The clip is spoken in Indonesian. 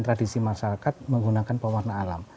tradisi masyarakat menggunakan pewarna alam